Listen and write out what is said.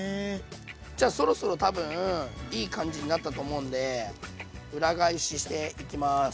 じゃそろそろ多分いい感じになったと思うんで裏返ししていきます。